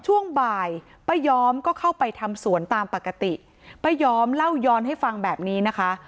ช่วงบ่ายป้าย้อมก็เข้าไปทำสวนตามปกติป้าย้อมเล่าย้อนให้ฟังแบบนี้นะคะ